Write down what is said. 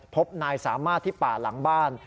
พบนายสามารถที่ป่าหลังบ้าน